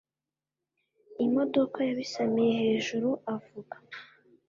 imodoka yabisamiye hejuru avuga